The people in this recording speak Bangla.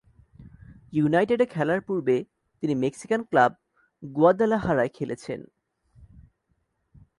ইউনাইটেডে খেলার পুর্বে তিনি মেক্সিকান ক্লাব গুয়াদালাহারায় খেলেছেন।